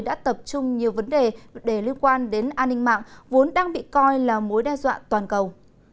đã tập trung nhiều vấn đề liên quan đến an ninh mạng vốn đang bị coi là mối đe dọa toàn cầu